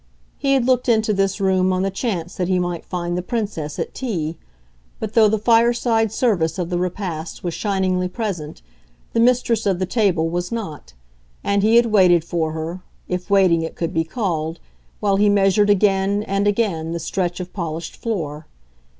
He had looked into this room on the chance that he might find the Princess at tea; but though the fireside service of the repast was shiningly present the mistress of the table was not, and he had waited for her, if waiting it could be called, while he measured again and again the stretch of polished floor.